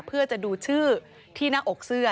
เพื่อจะดูชื่อที่หน้าอกเสื้อ